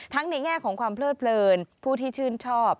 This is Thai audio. ในแง่ของความเพลิดเพลินผู้ที่ชื่นชอบ